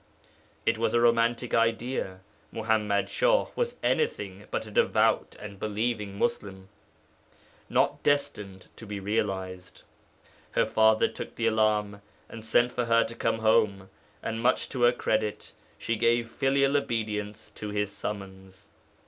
It was a romantic idea (Muḥammad Shah was anything thing but a devout and believing Muslim), not destined to be realized. Her father took the alarm and sent for her to come home, and, much to her credit, she gave filial obedience to his summons.